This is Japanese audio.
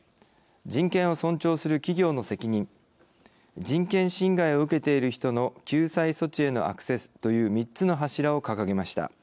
人権を尊重する企業の責任人権侵害を受けている人の救済措置へのアクセスという３つの柱を掲げました。